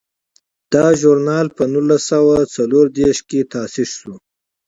دا ژورنال په نولس سوه څلور دیرش کې تاسیس شو.